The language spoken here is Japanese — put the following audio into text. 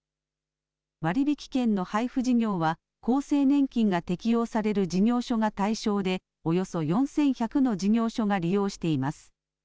割引券の配付事業は厚生年金が適用される事業所が対象でおよそ４１００の事業所が利用しています。